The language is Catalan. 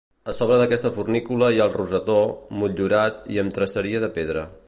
A sobre d'aquesta fornícula hi ha el rosetó, motllurat i amb traceria de pedra.